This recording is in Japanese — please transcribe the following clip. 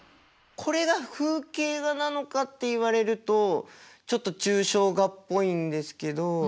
これが風景画なのかって言われるとちょっと抽象画っぽいんですけど。